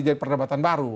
jadi perdebatan baru